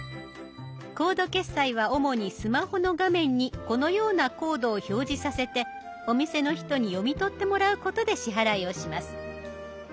コード決済は主にスマホの画面にこのようなコードを表示させてお店の人に読み取ってもらうことで支払いをします。